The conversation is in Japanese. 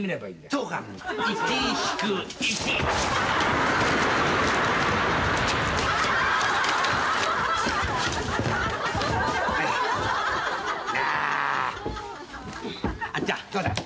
どうだ？